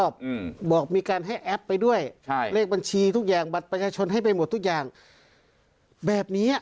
เปิดเองทำธุรกรรมเอง